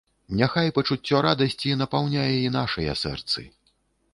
Няхай пачуццё радасці напаўняе і нашыя сэрцы.